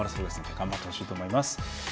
頑張ってほしいと思います。